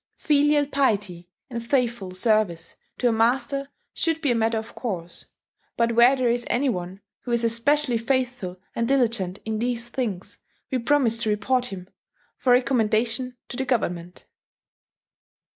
"Filial piety and faithful service to a master should be a matter of course; but when there is any one who is especially faithful and diligent in these things, we promise to report him ... for recommendation to the government